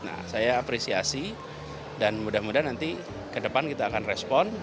nah saya apresiasi dan mudah mudahan nanti ke depan kita akan respon